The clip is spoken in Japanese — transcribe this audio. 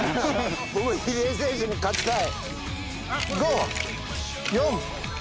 僕入江選手に勝ちたい。